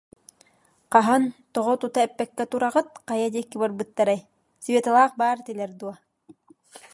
Хаһан, тоҕо тута эппэккэ тураҕыт, хайа диэки барбыттарай, Светалаах баар этилэр дуо